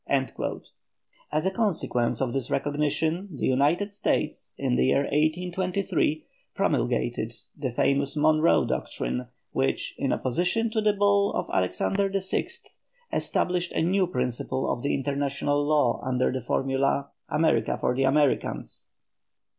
As a consequence of this recognition the United States, in the year 1823, promulgated the famous Monroe Doctrine which, in opposition to the Bull of Alexander VI., established a new principle of international law under the formula "America for the Americans."